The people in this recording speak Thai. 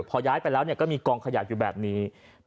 พอย้ายไปแล้วก็มีกองขยะอยู่แบบนี้